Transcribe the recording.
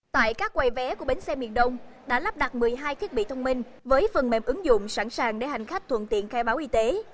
tại các quầy vé của bến xe miền đông đã lắp đặt một mươi hai thiết bị thông minh với phần mềm ứng dụng sẵn sàng để hành khách thuận tiện khai báo y tế